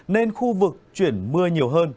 nên khu vực chuyển mưa nhiều hơn